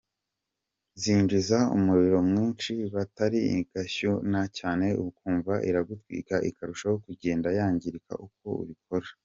Zinjiza umuriro mwinshi, batiri igashyuha cyane ukumva iragutwika ikarushaho kugenda yangirika uko ubikora.